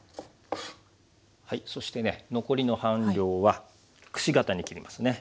そしてね残りの半量はくし形に切りますね。